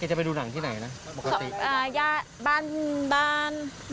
แกจะไปดูหนังที่ไหนนะปกติ